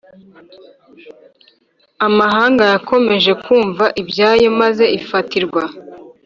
Amahanga yakomeje kumva ibyayo maze ifatirwa